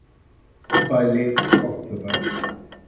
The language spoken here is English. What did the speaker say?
By late October.